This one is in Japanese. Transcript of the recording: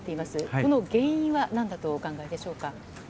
この原因はなんだとお考えでしょうか。